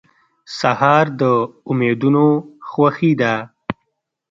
سهار د امیدونو خوښي ده.